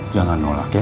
jangan nolak ya